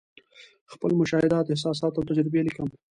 خپل مشاهدات، احساسات او تجربې لیکم.